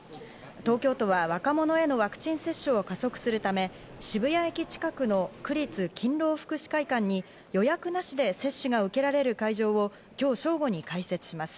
東京都は若者へのワクチン接種を加速するため渋谷駅近くの区立勤労福祉会館に予約なしで接種が受けられる会場を今日正午に開設します。